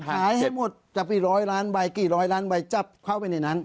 หายให้หมดจับไปร้อยล้านใบกี่ร้อยล้านใบจับเข้าไปในนั้น